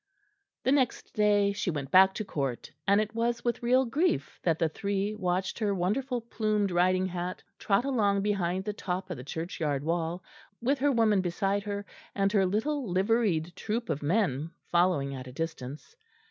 The next day she went back to Court; and it was with real grief that the three watched her wonderful plumed riding hat trot along behind the top of the churchyard wall, with her woman beside her, and her little liveried troop of men following at a distance.